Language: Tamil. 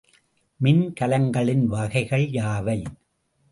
மின்கலங்களின் வகைகள் யாவை?